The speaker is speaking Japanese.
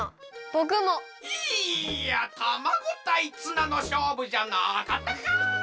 いやたまごたいツナのしょうぶじゃなかったんかい！